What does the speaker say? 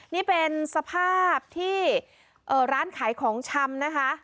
นี่เป็นสภาพที่ร้านขายของชำนะคะ